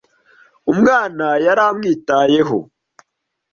Umwana yaramwitayeho.